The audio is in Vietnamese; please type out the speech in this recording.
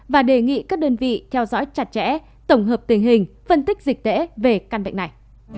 và đề nghị các đơn vị theo dõi chặt chẽ tổng hợp tình hình phân tích dịch tễ về căn bệnh này